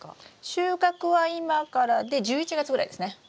収穫は今からで１１月ぐらいですね。